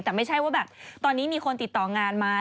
แต่ไม่ใช่ว่าแบบตอนนี้มีคนติดต่องานมา